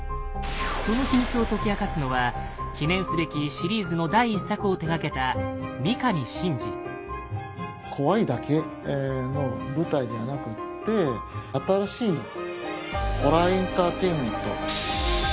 その秘密を解き明かすのは記念すべきシリーズの第１作を手がけた怖いだけの舞台ではなくって新しいホラーエンターテインメント。